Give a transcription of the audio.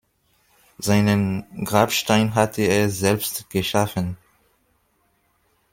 Seinen Grabstein hatte er selbst geschaffen.